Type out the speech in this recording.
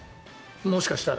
もしかしたら。